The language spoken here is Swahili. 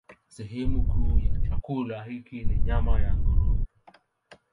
Sehemu kuu ya chakula hiki ni nyama ya nguruwe.